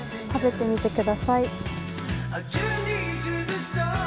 食べてみてください。